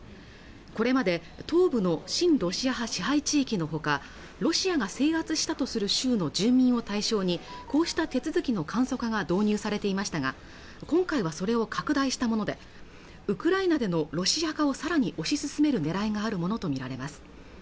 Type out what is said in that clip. これまで東部の親ロシア派支配地域のほかロシアが制圧したとする州の住民を対象にこうした手続きの簡素化が導入されていましたが今回はそれを拡大したものでウクライナでのロシア化をさらに推し進めるねらいがあるものと見られます